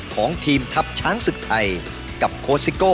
ของทีมทัพช้างศึกไทยกับโค้ซิโก้